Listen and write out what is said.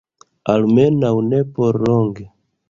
Almenaŭ ne por longe.